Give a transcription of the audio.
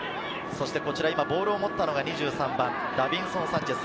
ボールを持ったのはダビンソン・サンチェス。